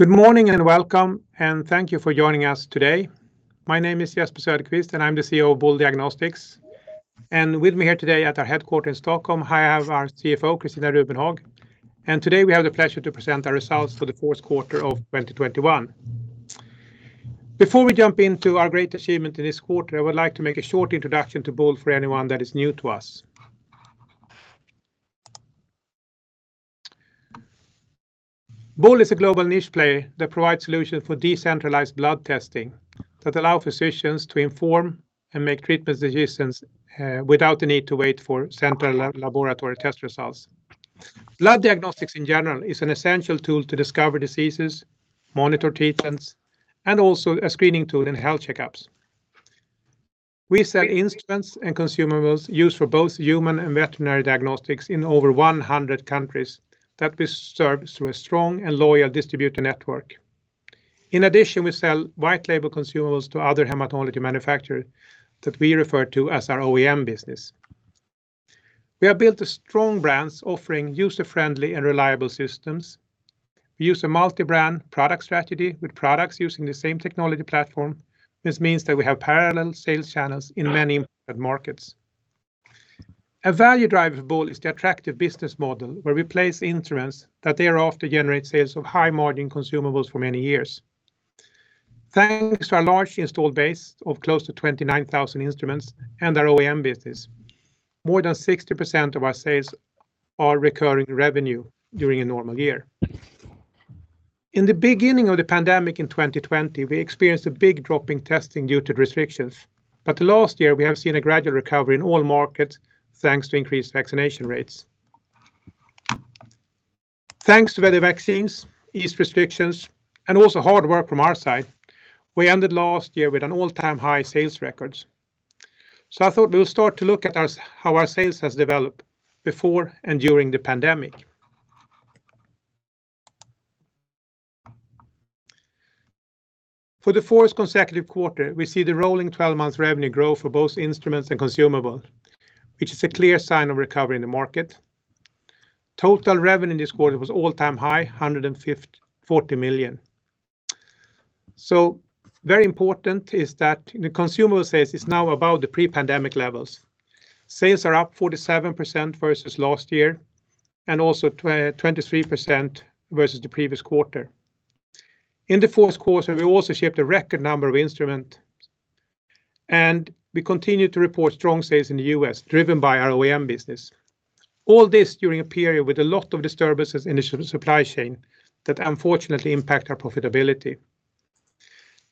Good morning and welcome, and thank you for joining us today. My name is Jesper Söderqvist and I'm the CEO of Boule Diagnostics. With me here today at our headquarters in Stockholm, I have our CFO, Christina Rubenhag. Today we have the pleasure to present our results for the fourth quarter of 2021. Before we jump into our great achievement in this quarter, I would like to make a short introduction to Boule for anyone that is new to us. Boule is a global niche player that provides solutions for decentralized blood testing that allow physicians to inform and make treatment decisions, without the need to wait for central laboratory test results. Blood diagnostics in general is an essential tool to discover diseases, monitor treatments, and also a screening tool in health checkups. We sell instruments and consumables used for both human and veterinary diagnostics in over 100 countries that we serve through a strong and loyal distributor network. In addition, we sell white label consumables to other hematology manufacturer that we refer to as our OEM business. We have built strong brands offering user-friendly and reliable systems. We use a multi-brand product strategy with products using the same technology platform. This means that we have parallel sales channels in many important markets. A value drive of Boule is the attractive business model where we place instruments that thereafter generate sales of high margin consumables for many years. Thanks to our large installed base of close to 29,000 instruments and our OEM business, more than 60% of our sales are recurring revenue during a normal year. In the beginning of the pandemic in 2020, we experienced a big drop in testing due to restrictions. Last year, we have seen a gradual recovery in all markets, thanks to increased vaccination rates. Thanks to the vaccines, eased restrictions, and also hard work from our side, we ended last year with an all-time high sales records. I thought we'll start to look at our how our sales has developed before and during the pandemic. For the fourth consecutive quarter, we see the rolling 12 months revenue growth for both instruments and consumables, which is a clear sign of recovery in the market. Total revenue this quarter was all-time high, 40 million. Very important is that the consumables sales is now above the pre-pandemic levels. Sales are up 47% versus last year and also 23% versus the previous quarter. In the fourth quarter, we also shipped a record number of instruments, and we continue to report strong sales in the U.S., driven by our OEM business. All this during a period with a lot of disturbances in the supply chain that unfortunately impact our profitability.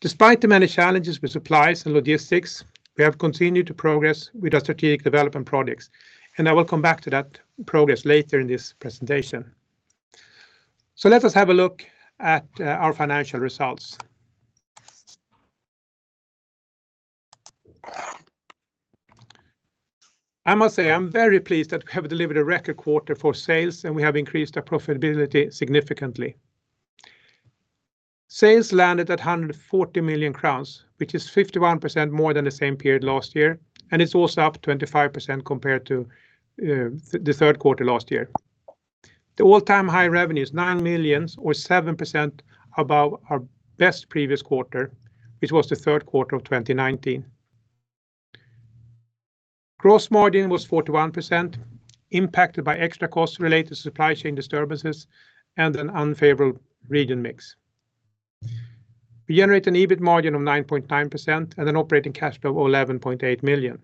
Despite the many challenges with supplies and logistics, we have continued to progress with our strategic development projects, and I will come back to that progress later in this presentation. Let us have a look at our financial results. I must say, I'm very pleased that we have delivered a record quarter for sales, and we have increased our profitability significantly. Sales landed at 140 million crowns, which is 51% more than the same period last year, and it's also up 25% compared to the third quarter last year. The all-time high revenue is 9 million or 7% above our best previous quarter, which was the third quarter of 2019. Gross margin was 41%, impacted by extra costs related to supply chain disturbances and an unfavorable region mix. We generate an EBIT margin of 9.9% and an operating cash flow of 11.8 million.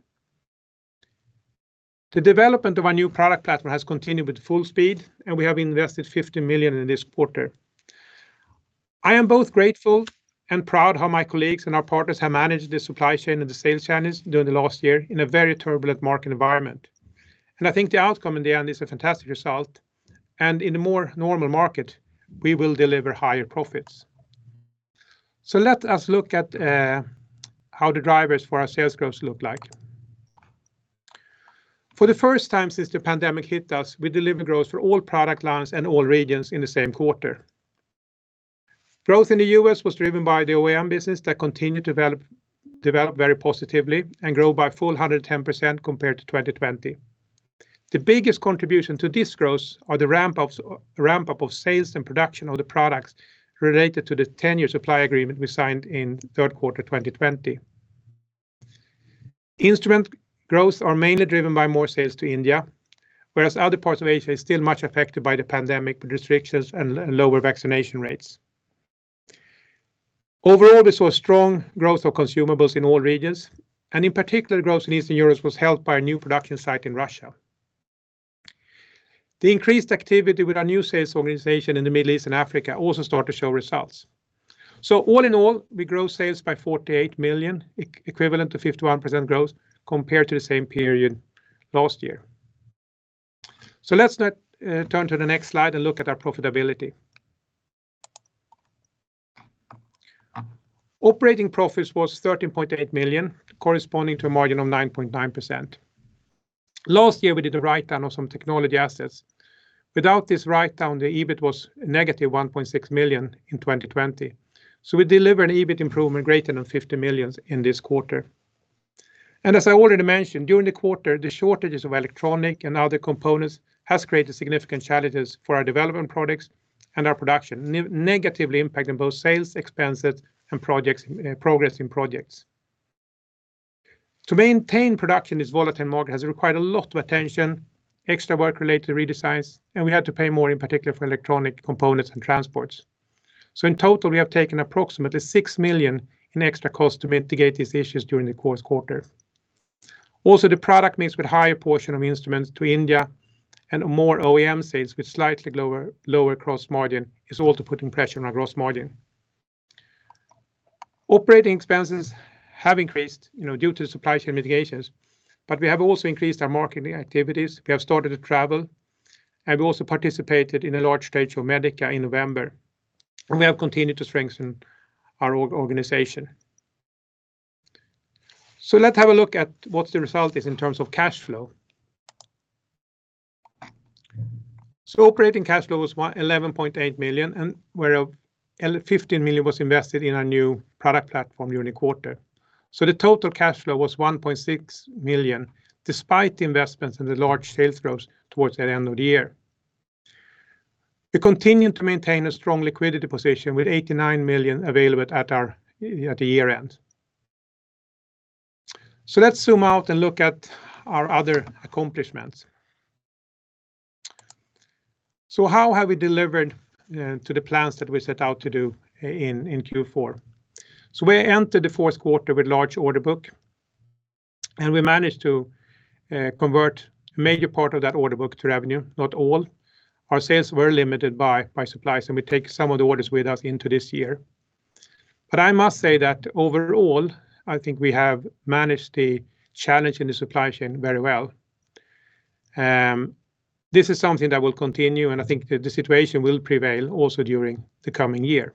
The development of our new product platform has continued with full speed, and we have invested 50 million in this quarter. I am both grateful and proud how my colleagues and our partners have managed the supply chain and the sales channels during the last year in a very turbulent market environment. I think the outcome in the end is a fantastic result, and in a more normal market, we will deliver higher profits. Let us look at how the drivers for our sales growth look like. For the first time since the pandemic hit us, we deliver growth for all product lines and all regions in the same quarter. Growth in the U.S. was driven by the OEM business that continued develop very positively and grow by 110% compared to 2020. The biggest contribution to this growth are the ramp up of sales and production of the products related to the 10-year supply agreement we signed in third quarter 2020. Instrument growth are mainly driven by more sales to India, whereas other parts of Asia is still much affected by the pandemic restrictions and lower vaccination rates. Overall, we saw strong growth of consumables in all regions, and in particular, growth in Eastern Europe was helped by a new production site in Russia. The increased activity with our new sales organization in the Middle East and Africa also start to show results. All in all, we grow sales by 48 million, equivalent to 51% growth compared to the same period last year. Let's now turn to the next slide and look at our profitability. Operating profits was 13.8 million, corresponding to a margin of 9.9%. Last year, we did a write-down on some technology assets. Without this write-down, the EBIT was -1.6 million in 2020. We deliver an EBIT improvement greater than 50 million in this quarter. As I already mentioned, during the quarter, the shortages of electronic and other components have created significant challenges for our development products and our production, negatively impacting both sales, expenses, and progress in projects. To maintain production in this volatile market has required a lot of attention, extra work related redesigns, and we had to pay more, in particular, for electronic components and transports. In total, we have taken approximately 6 million in extra cost to mitigate these issues during this quarter. Also, the product mix with higher portion of instruments to India and more OEM sales with slightly lower gross margin is also putting pressure on our gross margin. Operating expenses have increased, you know, due to supply chain mitigations, but we have also increased our marketing activities. We have started to travel, and we also participated in a large stage of MEDICA in November, and we have continued to strengthen our organization. Let's have a look at what the result is in terms of cash flow. Operating cash flow was -11.8 million, and where 15 million was invested in our new product platform during the quarter. The total cash flow was 1.6 million, despite the investments and the large sales growth towards the end of the year. We continued to maintain a strong liquidity position with 89 million available at the year-end. Let's zoom out and look at our other accomplishments. How have we delivered to the plans that we set out to do in Q4? We entered the fourth quarter with large order book, and we managed to convert a major part of that order book to revenue, not all. Our sales were limited by supplies, and we take some of the orders with us into this year. I must say that overall, I think we have managed the challenge in the supply chain very well. This is something that will continue, and I think the situation will prevail also during the coming year.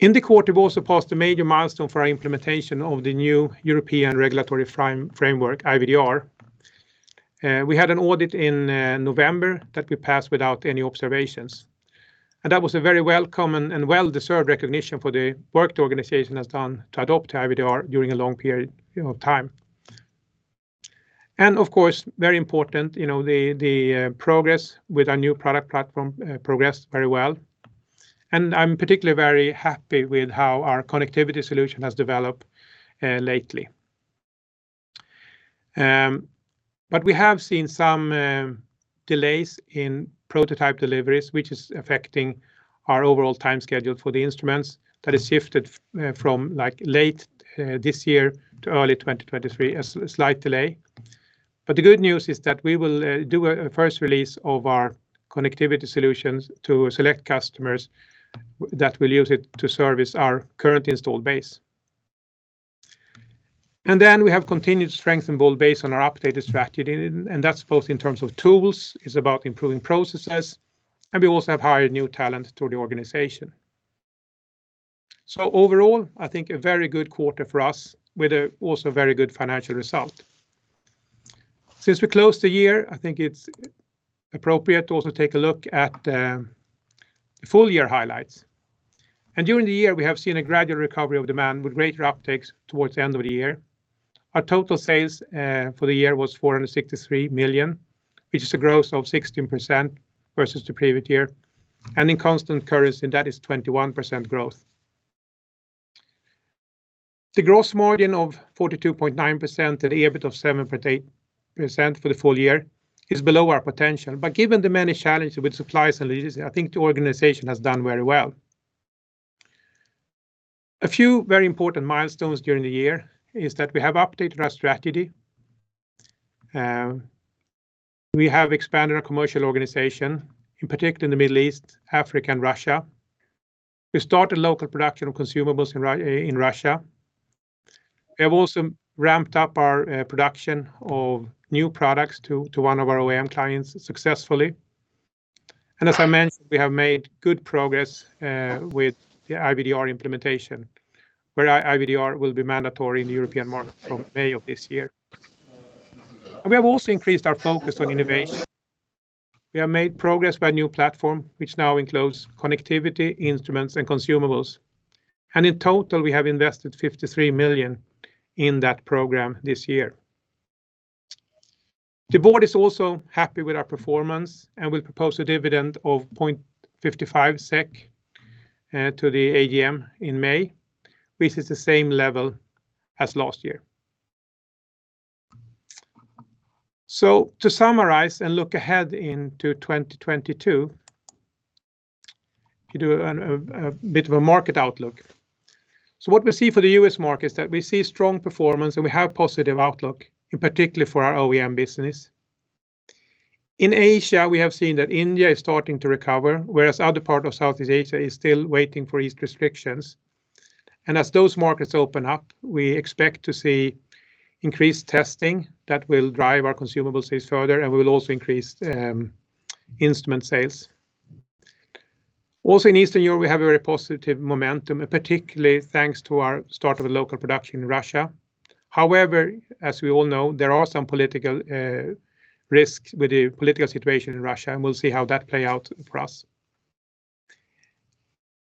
In the quarter, we also passed a major milestone for our implementation of the new European regulatory framework, IVDR. We had an audit in November that we passed without any observations. That was a very welcome and well-deserved recognition for the work the organization has done to adapt to IVDR during a long period, you know, time. Of course, very important, you know, the progress with our new product platform progressed very well. I'm particularly very happy with how our connectivity solution has developed lately. We have seen some delays in prototype deliveries, which is affecting our overall time schedule for the instruments that is shifted from, like, late this year to early 2023, a slight delay. The good news is that we will do a first release of our connectivity solutions to select customers that will use it to service our current installed base. Then we have continued to strengthen our installed base on our updated strategy, and that's both in terms of tools, it's about improving processes, and we also have hired new talent to the organization. Overall, I think a very good quarter for us with a also very good financial result. Since we closed the year, I think it's appropriate to also take a look at, the full-year highlights. During the year, we have seen a gradual recovery of demand with greater uptakes towards the end of the year. Our total sales, for the year was 463 million, which is a growth of 16% versus the previous year, and in constant currency, that is 21% growth. The gross margin of 42.9% and EBIT of 7.8% for the full year is below our potential. Given the many challenges with supplies and logistics, I think the organization has done very well. A few very important milestones during the year is that we have updated our strategy. We have expanded our commercial organization, in particular in the Middle East, Africa, and Russia. We started local production of consumables in Russia. We have also ramped up our production of new products to one of our OEM clients successfully. As I mentioned, we have made good progress with the IVDR implementation, where IVDR will be mandatory in the European market from May of this year. We have also increased our focus on innovation. We have made progress on a new platform, which now includes connectivity, instruments, and consumables. In total, we have invested 53 million in that program this year. The board is also happy with our performance and will propose a dividend of 0.55 SEK to the AGM in May, which is the same level as last year. To summarize and look ahead into 2022, you do a bit of a market outlook. What we see for the U.S. market is that we see strong performance, and we have positive outlook, in particular for our OEM business. In Asia, we have seen that India is starting to recover, whereas other part of Southeast Asia is still waiting for easing restrictions. As those markets open up, we expect to see increased testing that will drive our consumable sales further, and we will also increase instrument sales. Also in Eastern Europe, we have a very positive momentum, and particularly thanks to our start of a local production in Russia. However, as we all know, there are some political risks with the political situation in Russia, and we'll see how that play out for us.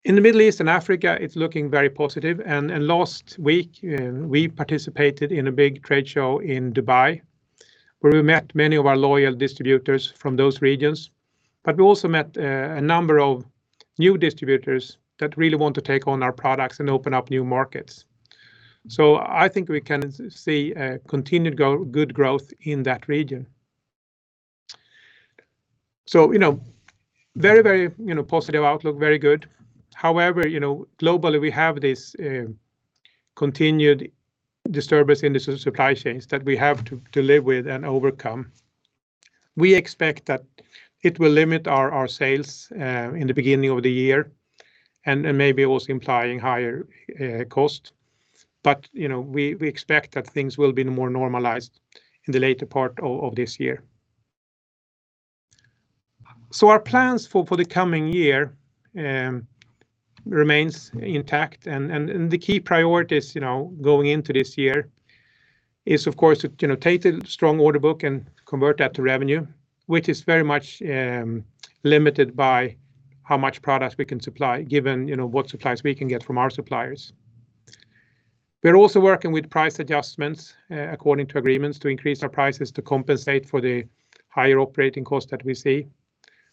In the Middle East and Africa, it's looking very positive, and last week we participated in a big trade show in Dubai where we met many of our loyal distributors from those regions. We also met a number of new distributors that really want to take on our products and open up new markets. I think we can see continued good growth in that region. You know, very, you know, positive outlook, very good. However, you know, globally we have this continued disturbance in the supply chains that we have to live with and overcome. We expect that it will limit our sales in the beginning of the year, and maybe also implying higher cost, but you know, we expect that things will be more normalized in the later part of this year. Our plans for the coming year remains intact and the key priorities, you know, going into this year is, of course, to you know, take the strong order book and convert that to revenue, which is very much limited by how much product we can supply given you know, what supplies we can get from our suppliers. We're also working with price adjustments according to agreements, to increase our prices to compensate for the higher operating cost that we see.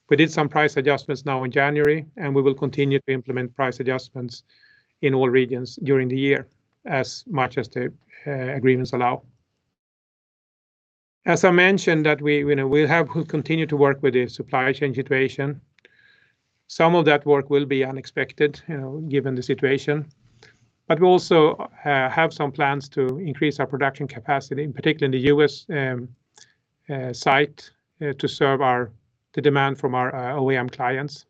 We did some price adjustments now in January, and we will continue to implement price adjustments in all regions during the year, as much as the agreements allow. As I mentioned, that we have to continue to work with the supply chain situation. Some of that work will be unexpected, you know, given the situation. We also have some plans to increase our production capacity, in particular in the U.S. site, to serve the demand from our OEM clients.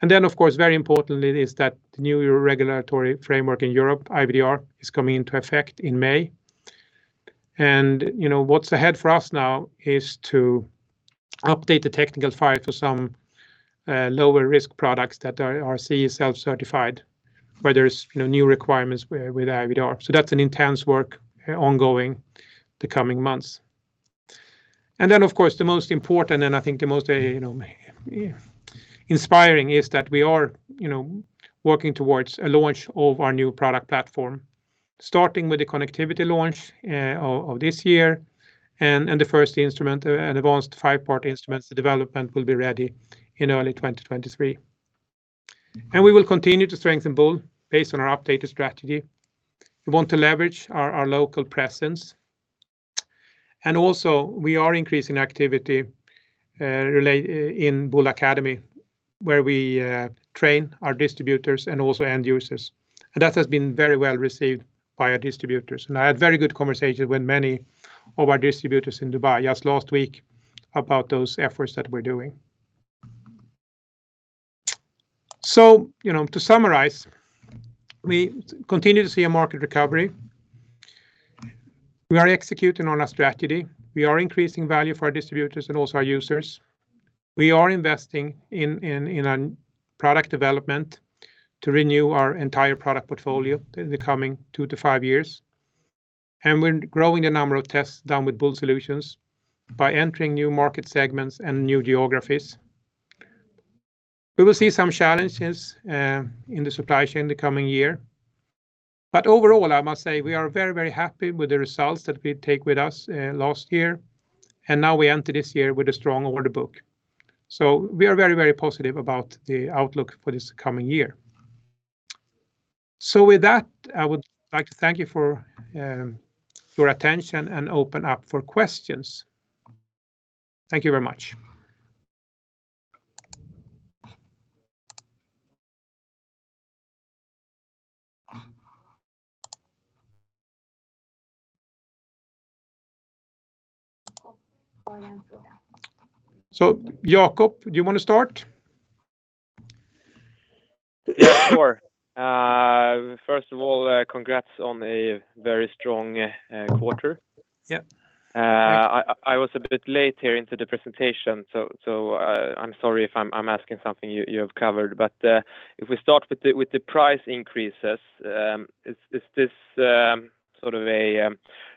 Of course, very importantly is that the new regulatory framework in Europe, IVDR, is coming into effect in May. You know, what's ahead for us now is to update the technical file for some lower-risk products that are CE self-certified, where there's new requirements with IVDR. That's an intense work ongoing the coming months. Then, of course, the most important, and I think the most, you know, inspiring, is that we are, you know, working towards a launch of our new product platform, starting with the connectivity launch of this year, and the first instrument, an advanced five-part instruments, the development will be ready in early 2023. We will continue to strengthen Boule based on our updated strategy. We want to leverage our local presence. We are also increasing activity in Boule Academy, where we train our distributors and also end users, and that has been very well received by our distributors. I had very good conversations with many of our distributors in Dubai just last week about those efforts that we're doing. You know, to summarize, we continue to see a market recovery. We are executing on our strategy. We are increasing value for our distributors and also our users. We are investing in product development to renew our entire product portfolio in the coming two-five years, and we're growing the number of tests done with Boule Solutions by entering new market segments and new geographies. We will see some challenges in the supply chain in the coming year. Overall, I must say we are very, very happy with the results that we take with us last year, and now we enter this year with a strong order book. We are very, very positive about the outlook for this coming year. With that, I would like to thank you for your attention and open up for questions. Thank you very much. Jacob, do you want to start? Yeah, sure. First of all, congrats on a very strong quarter. Yeah. Thank you. I was a bit late here into the presentation, so I'm sorry if I'm asking something you have covered. If we start with the price increases, is this sort of a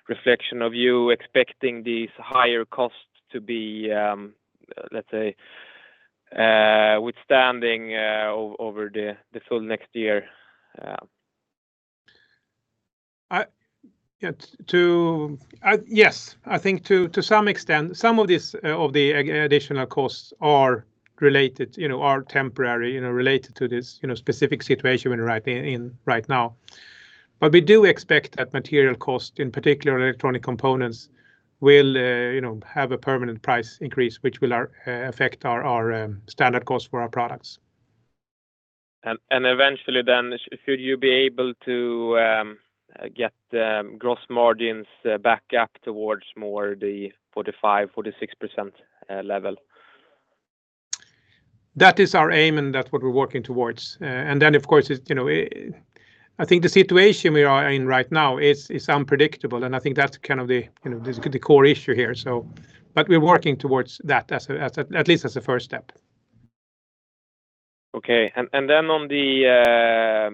reflection of you expecting these higher costs to be, let's say, over the full next year? Yeah. Yes. I think to some extent, some of this, of the additional costs are related, you know, are temporary, you know, related to this, you know, specific situation we're right in, right now. We do expect that material cost, in particular electronic components, will have a permanent price increase, which will affect our standard cost for our products. Eventually should you be able to get the gross margins back up towards more the 45%-46% level? That is our aim, and that's what we're working towards. Of course, it's, you know, I think the situation we are in right now is unpredictable, and I think that's kind of the you know the core issue here. We're working towards that as a, at least as a first step. Okay. On the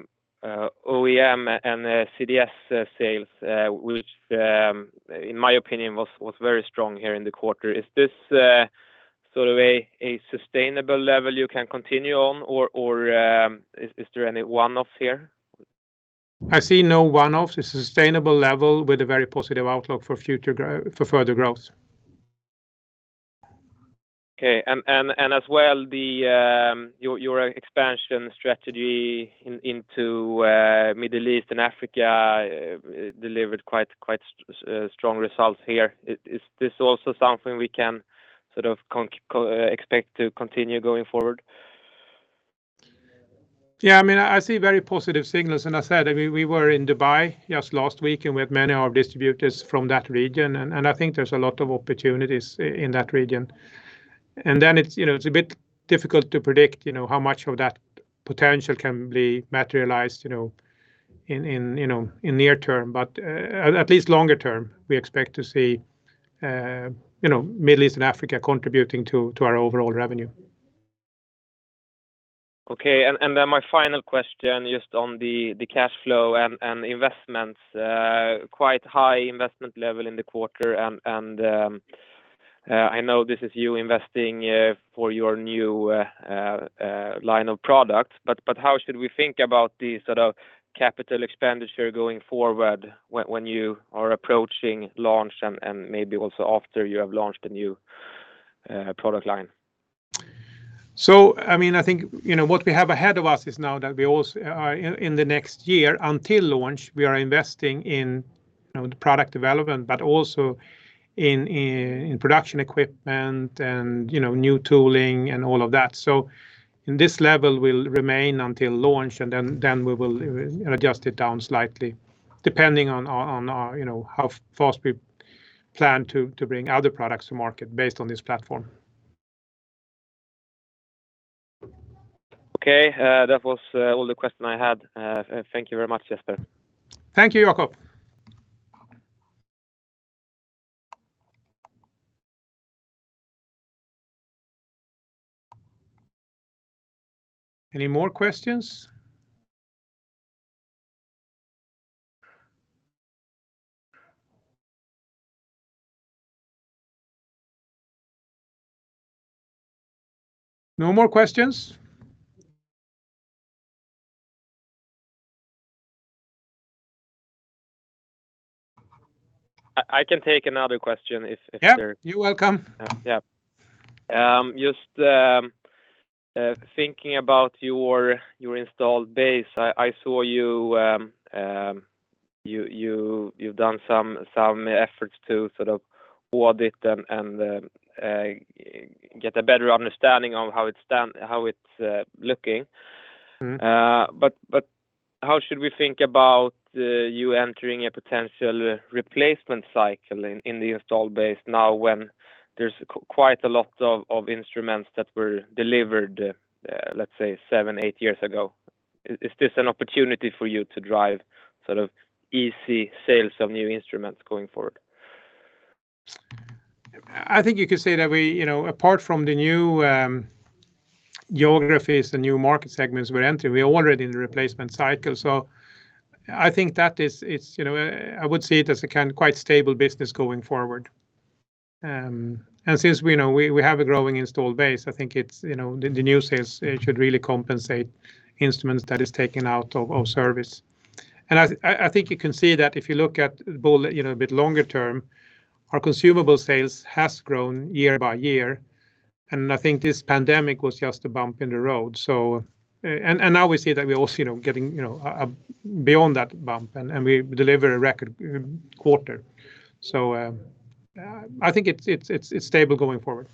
OEM and the CDS sales, which in my opinion was very strong here in the quarter. Is this sort of a sustainable level you can continue on? Or is there any one-offs here? I see no one-offs. A sustainable level with a very positive outlook for further growth. Okay. As well, your expansion strategy into the Middle East and Africa delivered quite strong results here. Is this also something we can sort of expect to continue going forward? Yeah. I mean, I see very positive signals. I said, I mean, we were in Dubai just last week, and we had many of our distributors from that region, and I think there's a lot of opportunities in that region. Then it's, you know, it's a bit difficult to predict, you know, how much of that potential can be materialized, you know, in near term. But, at least longer term, we expect to see, you know, Middle East and Africa contributing to our overall revenue. Okay. Then my final question just on the cash flow and investments, quite high investment level in the quarter. I know this is you investing for your new line of products, but how should we think about the sort of capital expenditure going forward when you are approaching launch and maybe also after you have launched the new product line? I mean, I think, you know, what we have ahead of us is now that we also in the next year until launch, we are investing in, you know, the product development, but also in production equipment and, you know, new tooling and all of that. In this level will remain until launch, and then we will adjust it down slightly, depending on, you know, how fast we plan to bring other products to market based on this platform. Okay. That was all the question I had. Thank you very much, Jesper. Thank you, Jacob. Any more questions? No more questions? I can take another question if there. Yeah, you're welcome. Yeah. Just thinking about your installed base, I saw you've done some efforts to sort of audit and get a better understanding of how it's done, how it's looking. Mm-hmm. How should we think about you entering a potential replacement cycle in the installed base now when there's quite a lot of instruments that were delivered, let's say seven, eight years ago? Is this an opportunity for you to drive sort of easy sales of new instruments going forward? I think you could say that we, you know, apart from the new geographies, the new market segments we're entering, we're already in the replacement cycle. I think it's you know I would see it as a kind quite stable business going forward. And since we know we have a growing installed base, I think it's you know the new sales should really compensate instruments that is taken out of service. I think you can see that if you look at Boule you know a bit longer term, our consumable sales has grown year by year, and I think this pandemic was just a bump in the road. Now we see that we also you know getting you know beyond that bump and we deliver a record quarter. I think it's stable going forward.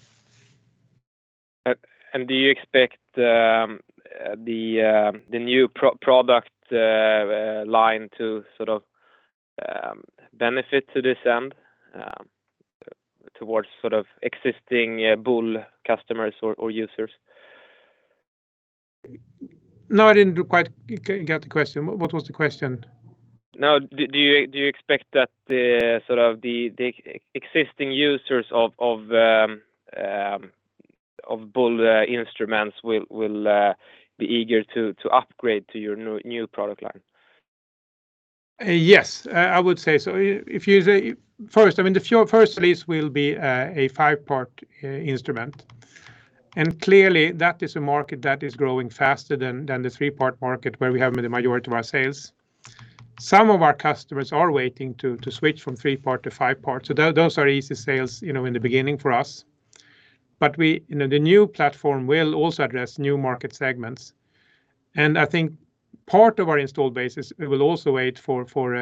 Do you expect the new product line to sort of benefit to this end towards sort of existing Boule customers or users? No, I didn't quite get the question. What was the question? Now, do you expect that the sort of existing users of Boule instruments will be eager to upgrade to your new product line? Yes, I would say so. First, I mean, the first release will be a five-part instrument, and clearly that is a market that is growing faster than the three-part market where we have the majority of our sales. Some of our customers are waiting to switch from three-part to five-part. Those are easy sales, you know, in the beginning for us. We, you know, the new platform will also address new market segments. I think part of our installed base is we will also wait for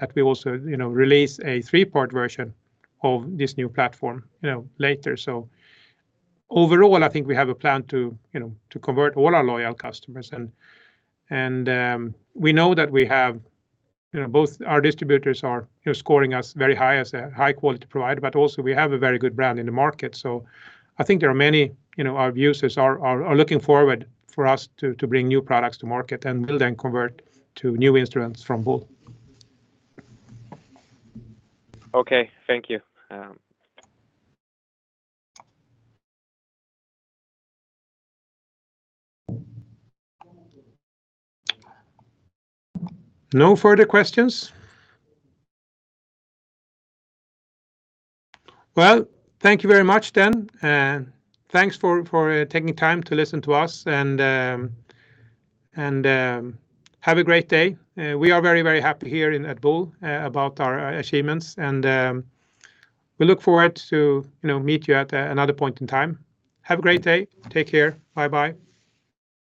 that we also, you know, release a three-part version of this new platform, you know, later. Overall, I think we have a plan to, you know, to convert all our loyal customers and we know that we have, you know, both our distributors are, you know, scoring us very high as a high quality provider, but also we have a very good brand in the market. I think there are many, you know, our users are looking forward for us to bring new products to market and will then convert to new instruments from Boule. Okay. Thank you. No further questions? Well, thank you very much then, and thanks for taking time to listen to us, and have a great day. We are very happy here at Boule about our achievements, and we look forward to, you know, meeting you at another point in time. Have a great day. Take care. Bye-bye.